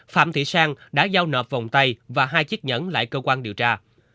phạm thị sang đã giao nộp vòng tay và hai chiếc nhẫn lại cơ quan điều tra